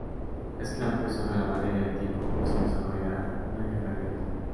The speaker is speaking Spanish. Era claro que solo era materia de tiempo que se desarrollara una guerra abierta.